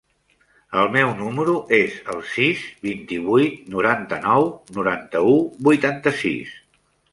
El meu número es el sis, vint-i-vuit, noranta-nou, noranta-u, vuitanta-sis.